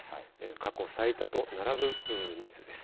過去最多と並ぶ人数です。